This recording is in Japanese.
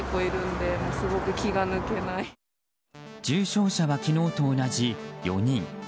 重症者は昨日と同じ４人。